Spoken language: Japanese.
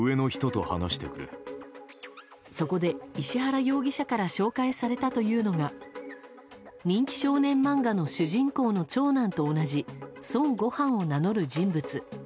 そこで石原容疑者から紹介されたというのが人気少年漫画の主人公の長男と同じ孫悟飯を名乗る人物。